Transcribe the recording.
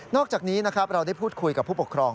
อกจากนี้นะครับเราได้พูดคุยกับผู้ปกครอง